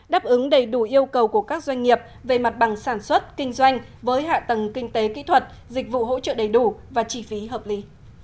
đáp ứng đầy đủ yêu cầu của các doanh nghiệp về mặt bằng sản xuất kinh doanh với hạ tầng kinh tế kỹ thuật dịch vụ hỗ trợ đầy đủ và chi phí hợp lý